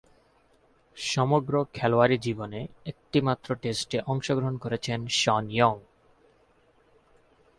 সমগ্র খেলোয়াড়ী জীবনে একটিমাত্র টেস্টে অংশগ্রহণ করেছেন শন ইয়ং।